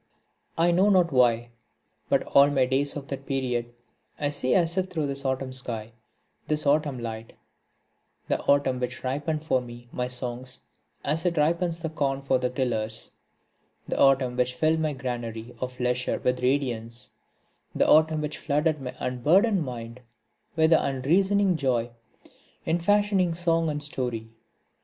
I know not why, but all my days of that period I see as if through this autumn sky, this autumn light the autumn which ripened for me my songs as it ripens the corn for the tillers; the autumn which filled my granary of leisure with radiance; the autumn which flooded my unburdened mind with an unreasoning joy in fashioning song and story.